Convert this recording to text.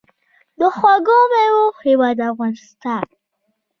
د خوږو میوو هیواد افغانستان.